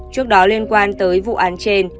trước đó liên quan tới vụ án trên